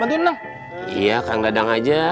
iya kang dadang aja